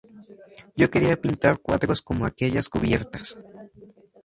Yo quería pintar cuadros como aquellas cubiertas.